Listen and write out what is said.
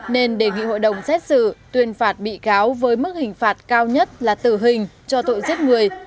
nên đề nghị hội đồng xét xử tuyên phạt bị cáo với mức hình phạt cao nhất là tử hình cho tội giết người